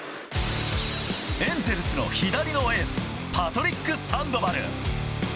エンゼルスの左のエース、パトリック・サンドバル。